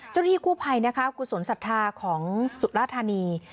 เจ้าที่คู่ภัยนะครับกุศลสัทธาของสุรธานี